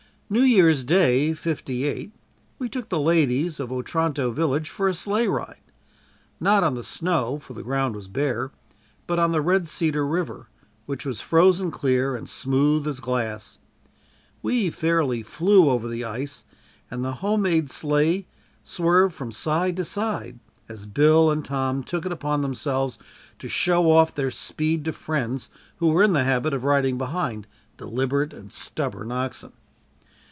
New Year's day, '58 we took the ladies of Otranto village for a sleigh ride not on the snow, for the ground was bare but on the Red Cedar river, which was frozen clear and smooth as glass. We fairly flew over the ice and the home made sleigh swerved from side to side, as Bill and Tom took it upon themselves to show off their speed to friends who were in the habit of riding behind deliberate and stubborn oxen.